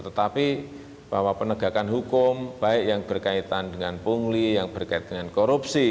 tetapi bahwa penegakan hukum baik yang berkaitan dengan pungli yang berkaitan dengan korupsi